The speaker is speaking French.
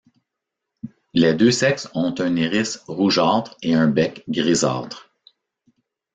Les deux sexes ont un iris rougeâtre et un bec grisâtre.